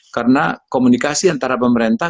karena komunikasi antara pemerintah